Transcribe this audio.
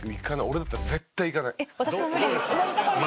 俺だったら絶対行かない。